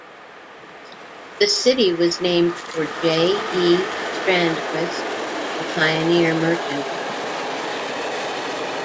The city was named for J. E. Strandquist, a pioneer merchant.